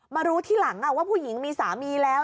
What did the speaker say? รู้ที่หลังว่าผู้หญิงมีสามีแล้ว